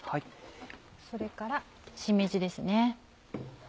それからしめじですね。